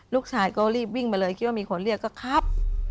ลูกชายก็รีบวิ่งมาเลยคิดว่ามีคนเรียกก็ครับ